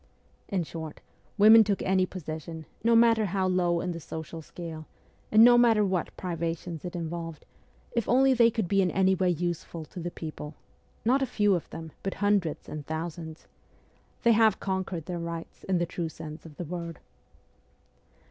In short, women took any position, no matter how low in the social scale, and no matter what privations it involved, if only they could be in any way useful to the people ; not a few of them, but hundreds and thousands. They have conquered their rights in the true sense of the word.